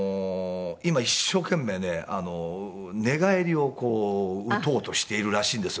今一生懸命ね寝返りをこう打とうとしているらしいんですよ